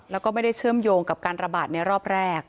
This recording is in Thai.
แล้วก็ไม่ได้เชื่อมโยงกับการระบาดในรอบแรก